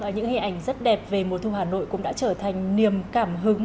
những hình ảnh rất đẹp về mùa thu hà nội cũng đã trở thành niềm cảm hứng